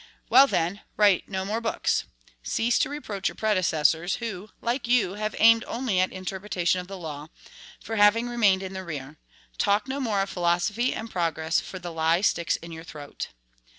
Well, then, write no more books; cease to reproach your predecessors who, like you, have aimed only at interpretation of the law for having remained in the rear; talk no more of philosophy and progress, for the lie sticks in your throat.